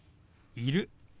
「いる」。